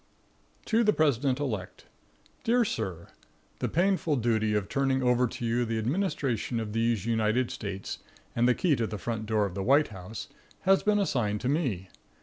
To the President Elect. Dear Sir. The painful duty of turning over to you the administration of these United States and the key to the front door of the White House has been assigned to me.